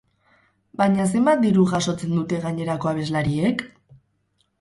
Baina zenbat diru jasotzen dute gainerako abeslariek?